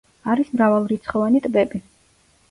არის მრავალრიცხოვანი ტბები.